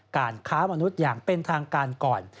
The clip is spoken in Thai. การค้ามนุษย์อย่างเป็นทางการก่อน